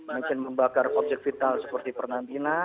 mungkin membakar objek vital seperti pernantina